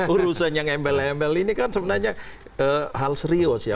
urusan yang embel embel ini kan sebenarnya hal serius ya